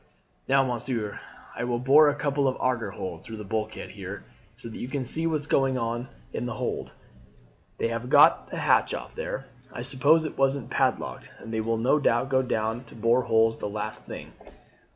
"Now, monsieur, I will bore a couple of auger holes through the bulkhead here so that you can see what is going on in the hold. They have got the hatch off there. I suppose it wasn't padlocked, and they will no doubt go down to bore the holes the last thing.